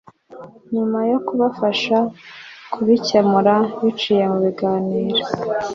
nyuma yo kubafasha kubikemura biciye mu biganiro.